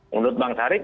menurut bang tarik